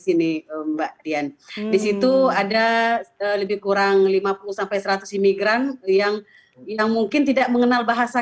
sini mbak dian disitu ada lebih kurang lima puluh sampai seratus imigran yang yang mungkin tidak mengenal bahasa